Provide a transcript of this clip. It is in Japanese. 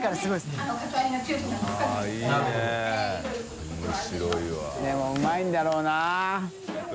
任うまいんだろうな。